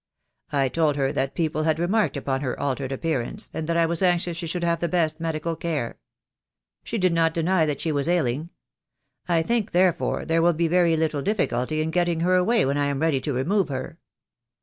I told her that people had remarked upon her altered appearance, and that I was anxious she should have the best medical care. She did not deny that she was ailing. I think, therefore, there will be very little difficulty in getting her away when I am ready to remove her."